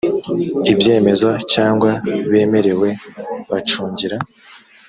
ibyemezo cyangwa bemerewe bacungira